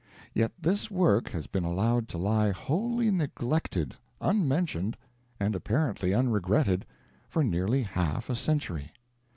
Yet this work has been allowed to lie wholly neglected, unmentioned, and apparently unregretted, for nearly half a century.